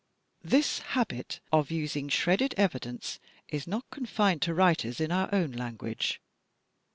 This habit of using shredded evidence is not confined to writers in our own language.